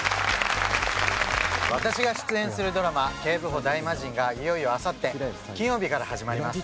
私が出演するドラマ『警部補ダイマジン』がいよいよあさって金曜日から始まります。